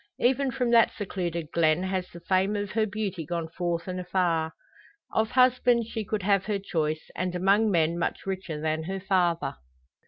Even from that secluded glen has the fame of her beauty gone forth and afar. Of husbands she could have her choice, and among men much richer than her father.